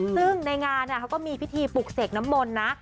ซึ่งในงานเขาก็มีพิธีปลุกเสกน้ำมนต์นะ